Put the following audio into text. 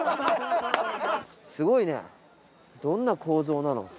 すごいねどんな構造なの？